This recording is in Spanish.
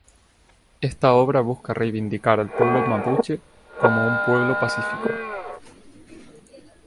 Esta obra busca reivindicar al pueblo mapuche como un pueblo pacífico.